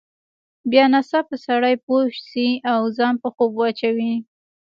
بیا ناڅاپه سړی پوه شي او ځان په خوب واچوي.